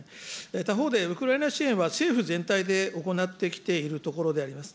他方で、ウクライナ支援は、政府全体で行ってきているところであります。